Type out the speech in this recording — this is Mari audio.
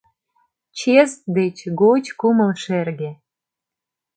Чес деч гоч кумыл шерге...